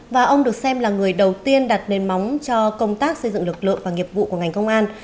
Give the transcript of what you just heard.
và ông được xem là người đầu tiên đặt nền móng cho công tác xây dựng lực lượng và nghiệp vụ của ngành công an